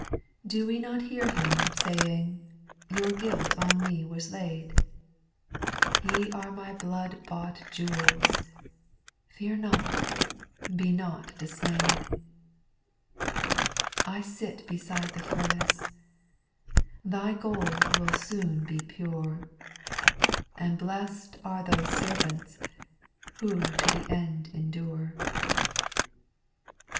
8. Do we not hear Him saying, " Your guilt on me was laid," *' Ye are my blood bought jewels," Fear not, be not dismayed." 4. " I sit beside the furnace," " The gold will soon be pure," " And blessed are those servants,'* " Who to the end endure." 6.